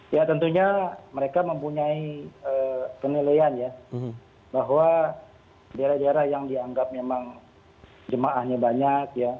ya tentunya mereka mempunyai penilaian ya bahwa daerah daerah yang dianggap memang jemaahnya banyak ya